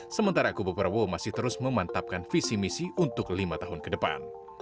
sementara kubu prabowo masih terus memantapkan visi misi untuk lima tahun ke depan